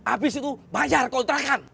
abis itu bayar kontrakan